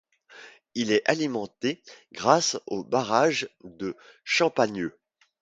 Il est alimenté grâce au barrage de Champagneux.